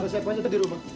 resepannya ada di rumah